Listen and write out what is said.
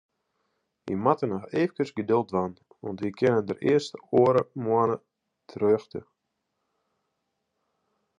Wy moatte noch eefkes geduld dwaan, want we kinne dêr earst oare moanne terjochte.